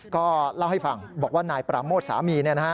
ก็เล่าให้ฟังบอกว่านายปราโมทสามี